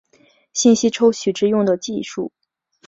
信息抽取之用的技术。